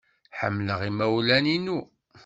Ḥemmleɣ imawlen-innu.